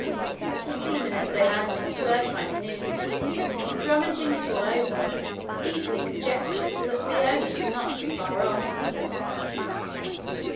The seamen at their landing observed my canoe, and rummaging it all over, easily conjectured that the owner could not be far off.